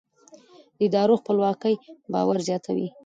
د ادارو خپلواکي باور زیاتوي